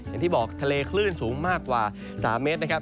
อย่างที่บอกทะเลคลื่นสูงมากกว่า๓เมตรนะครับ